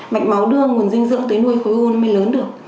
mạch máu đưa nguồn dinh dưỡng tới nuôi khối u mới lớn được